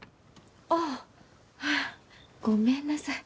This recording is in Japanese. ああっフッごめんなさい。